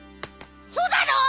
そうなの？